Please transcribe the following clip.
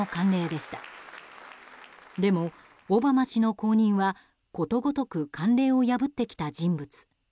でも、オバマ氏の後任はことごとく慣例を破ってきた人物。